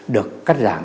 được cắt giảm